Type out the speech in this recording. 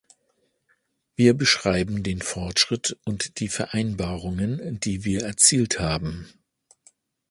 Wir beschreiben den Fortschritt und die Vereinbarungen, die wir erzielt haben.